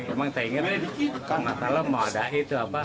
emang saya ingin kalau mau ada itu apa